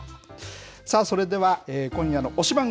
さあ、それでは今夜の推しバン！